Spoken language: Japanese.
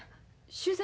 取材？